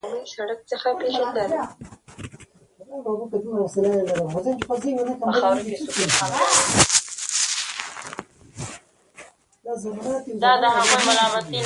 طاهر آمین ته ټولو سوربګی ویل